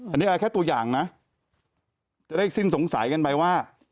อันนี้อะไรแค่ตัวอย่างนะจะได้สิ้นสงสัยกันไปว่า